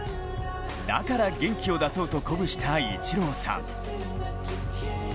だから、元気を出そうと鼓舞したイチローさん。